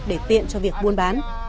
để tiện cho việc buôn bán